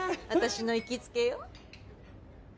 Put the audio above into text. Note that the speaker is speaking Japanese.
私の行きつけよ。